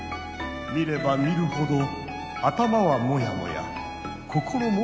見れば見るほど頭はモヤモヤ心もモヤモヤ。